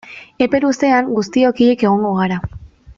Epe luzean guztiok hilik egongo gara.